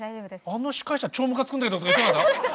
あの司会者超むかつくんだけどとか言ってなかった？